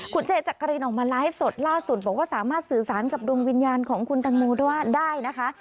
คุณเจจักรินออกมาไลฟ์สดล่าสุดบอกว่าสามารถสื่อสารกับดวงวิญญาณของคุณตังโมด้วยได้นะคะ